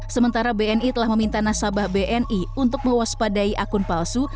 sementara bni telah meminta nasabah bni untuk mewaspadai akun palsu